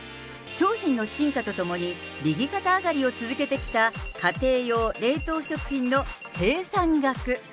商品の進化とともに、右肩上がりを続けてきた、家庭用冷凍食品の生産額。